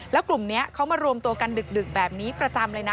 แล้วกลุ่มนี้เขามารวมตัวกันดึกแบบนี้ประจำเลยนะ